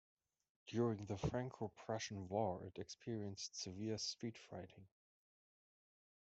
During the Franco-Prussian War it experienced severe street fighting.